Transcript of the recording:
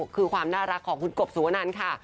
คือความน่ารักของคุณกบสุวนันค่ะ